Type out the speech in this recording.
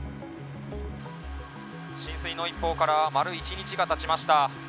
浸水の一報から丸１日がたちました。